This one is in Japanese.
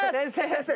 先生！